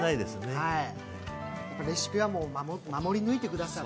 レシピは守り抜いてください。